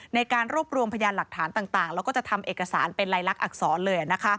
ในการรวบรวมพยานหลักฐานต่างแล้วก็จะทำเอกสารเป็นลายลักษณอักษรเลย